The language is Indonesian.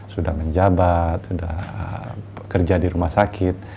sudah menjabat kerja di rumah sakit